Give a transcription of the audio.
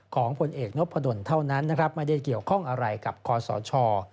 ผลเอกนพดลเท่านั้นนะครับไม่ได้เกี่ยวข้องอะไรกับคอสช